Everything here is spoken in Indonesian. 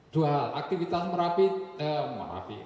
dua hal aktivitas merapi eh merapi